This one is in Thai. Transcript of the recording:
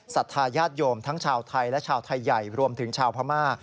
ศรัทธาญาติโยมทั้งชาวไทยและชาวไทยใหญ่รวมถึงชาวพม่า